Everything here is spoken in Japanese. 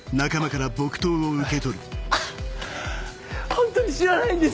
ホントに知らないんです！